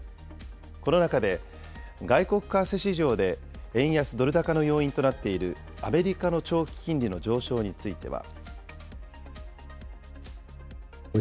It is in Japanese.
この中で、外国為替市場で円安ドル高の要因となっているアメリカの長期金利の上昇については。